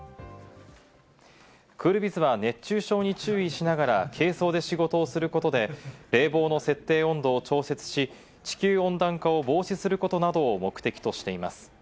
クールビズは熱中症に注意しながら、軽装で仕事をすることで冷房の設定温度を調節し、地球温暖化を防止することなどを目的としています。